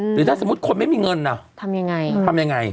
หรือถ้าสมมุติคนไม่มีเงินอะทำยังไง